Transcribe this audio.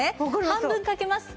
半分かけます。